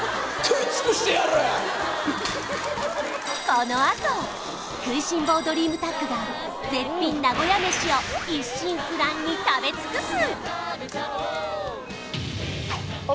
このあと食いしん坊ドリームタッグが絶品名古屋メシを一心不乱に食べ尽くす